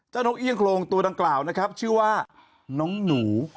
นกเอี่ยงโครงตัวดังกล่าวนะครับชื่อว่าน้องหนู